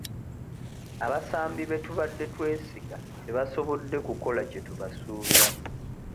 Abasambi be tubadde twesiga tebasobodde kukola kye tubasuubiramu.